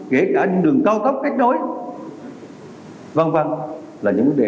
kể cả đường cao tốc cách đối v v là những vấn đề